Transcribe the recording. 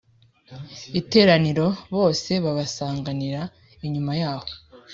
iteraniro bose babasanganirira inyuma y aho